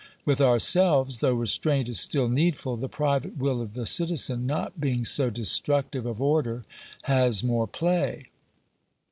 With ourselves, though restraint is still needftd, the private will of the citizen, not being so destructive of order, has more play.